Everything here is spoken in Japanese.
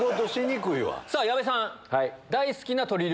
さぁ矢部さん。